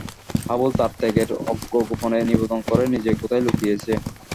হাবলু তার ত্যাগের অর্ঘ্য গোপনে নিবেদন করে নিজে কোথায় লুকিয়েছে।